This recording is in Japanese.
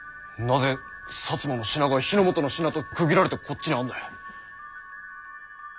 なぜ摩の品が日の本の品と区切られてこっちにあるんだ？